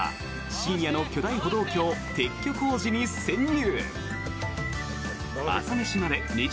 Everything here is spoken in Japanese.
深夜の巨大歩道橋撤去工事に潜入！